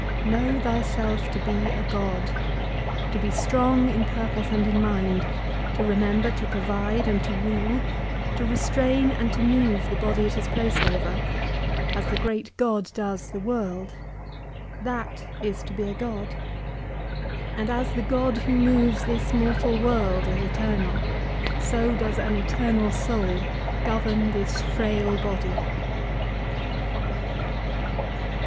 Know thyself to be a God. To be strong in purpose and in mind ; to remember to provide and to rule ; to restrain and to move the body it is placed over, as the great God does the world, that is to be a God. And as the God who moves this mortal world is eternal, so does an eternal soul govern this frail body.'